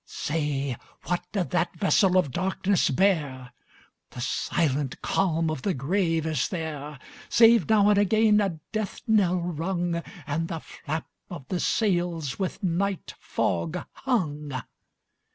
Say, what doth that vessel of darkness bear? The silent calm of the grave is there, Save now and again a death knell rung, And the flap of the sails with night fog hung.